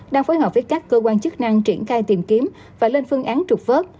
đang phối hợp với các cơ quan chức năng triển khai tìm kiếm và lên phương án trục vớt